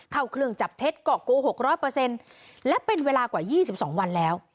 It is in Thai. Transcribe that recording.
เข้าเครื่องจับเท็จก็โกหก๖๐๐และเป็นเวลากว่า๒๒วันแล้ว